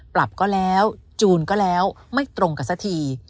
ปรับก็แล้วจูนก็แล้วไม่ตรงกันสักที